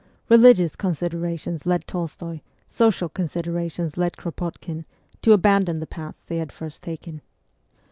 Religious considerations led Tolstoy, social considera tions led Kropotkin, to abandon the paths they had first taken.